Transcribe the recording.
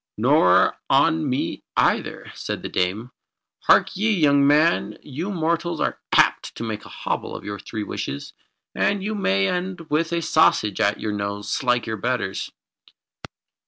"Nor on me either," said the Dame. "Hark ye, young man, you mortals are apt to make a hobble of your three wishes, and you may end with a sausage at your nose, like your betters."